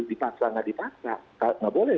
dipaksa atau tidak dipaksa tidak boleh